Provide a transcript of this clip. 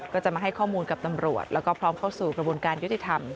ก็จะมาให้ข้อมูลกับตำรวจแล้วก็พร้อมเข้าสู่กระบวนการยุติธรรม